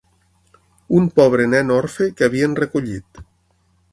Un pobre nen orfe que havien recollit.